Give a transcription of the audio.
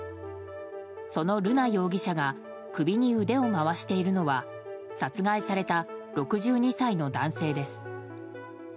その瑠奈容疑者が首に腕を回しているのは殺害された６２歳の男性です。